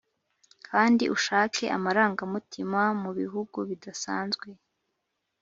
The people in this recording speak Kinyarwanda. kandi ushake amarangamutima mubihugu bidasanzwe;